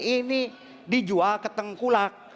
ini dijual ke tengkulak